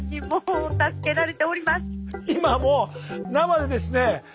今もう生でですね